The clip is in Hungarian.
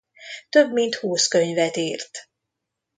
Több mint húsz könyvet írt.